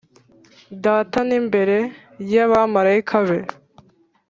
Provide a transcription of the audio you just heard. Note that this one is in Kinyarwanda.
Data n imbere y abamarayika be